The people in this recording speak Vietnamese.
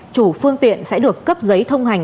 chủ phương tiện sẽ được cấp giấy thông hành